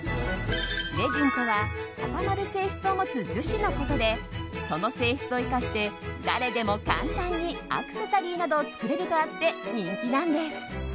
レジンとは固まる性質を持つ樹脂のことでその性質を生かして誰でも簡単にアクセサリーなどを作れるとあって、人気なんです。